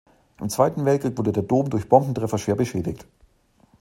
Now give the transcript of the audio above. Im Zweiten Weltkrieg wurde der Dom durch Bombentreffer schwer beschädigt.